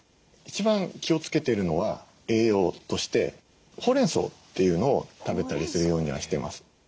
一番気をつけているのは栄養としてホウレンソウというのを食べたりするようにはしてます。